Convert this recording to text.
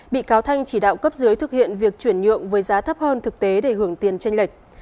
bị cáo thanh chỉ đạo cấp dưới thực hiện việc chuyển nhượng với giá thấp hơn thực tế để hưởng tiền tranh lệch